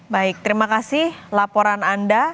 baik terima kasih laporan anda